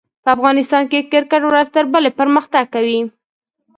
په افغانستان کښي کرکټ ورځ تر بلي پرمختګ کوي.